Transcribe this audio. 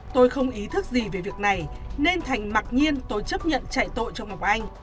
tôi không ý thức gì về việc này nên thành mặc nhiên tôi chấp nhận chạy tội cho ngọc anh